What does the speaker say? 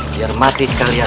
biar mati sekalian